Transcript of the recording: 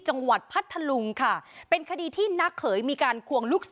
จังหวัดพัทลุงค่ะเป็นคดีนักเขยมีการควร